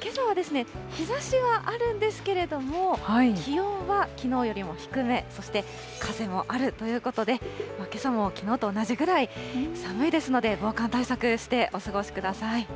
けさは日ざしはあるんですけれども、気温はきのうよりも低め、そして風もあるということで、けさもきのうと同じぐらい寒いですので、防寒対策してお過ごしください。